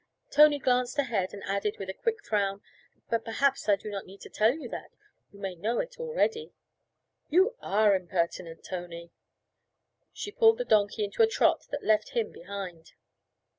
Tony glanced ahead and added with a quick frown 'But perhaps I do not need to tell you that you may know it already?' 'You are impertinent, Tony.' She pulled the donkey into a trot that left him behind.